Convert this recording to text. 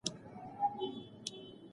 پلار یې سوړ اسویلی وایست.